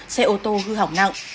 xe ô tô hư hỏng nặng